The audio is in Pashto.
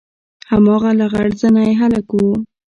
هماغه لغړ زنى هلک و.